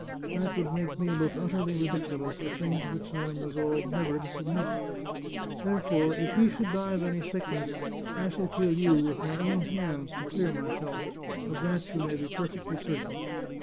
That would make me look utterly ridiculous, a thing to which I am resolved never to sub mit. Therefore, if he should die of any sickness, I shall kill you with my own hands to clear myself; of that you may be perfectly certain."